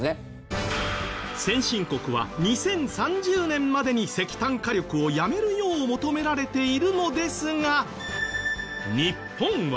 先進国は２０３０年までに石炭火力をやめるよう求められているのですが日本は。